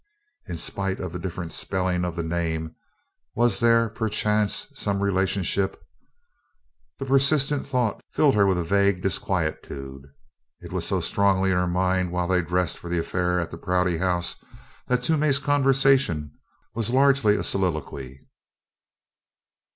In spite of the different spelling of the name, was there, perchance, some relationship? The persistent thought filled her with a vague disquietude. It was so strongly in her mind while they dressed for the affair at the Prouty House that Toomey's conversation was largely a soliloquy.